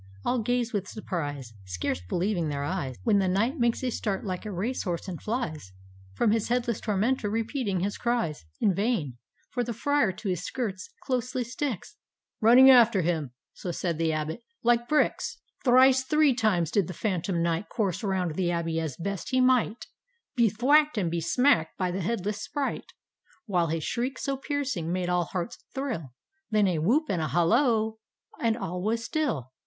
All gaze with surprise, Scarce believing their eyes. When the Knight makes a start like a race horse and flies From his headless tormentor, repeating his cries, — In vain, — for the Friar to his skirts closely sticks, " Running after him," so said the Abbot, —" like Bricks 1 " D,gt,, erihyGOOgle ) Tht Haunted Hour Thrice three times did the Phantom Knight Course round the Abbey as best he might Be thwack'd and be smack'd by the headless Sprite, While his shrieks so piercing made all hearts thrill, — Then a whoop and a halloo, — and all was still!